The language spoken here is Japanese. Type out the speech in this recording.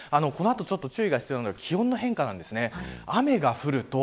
この後ちょっと注意が必要なのは気温の変化です。